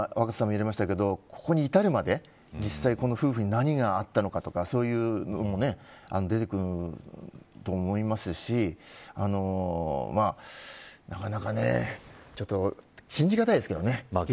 ここに至るまで実際この夫婦に何があったのかとかそういうのも出てくると思いますしなかなか信じがたいですけどね。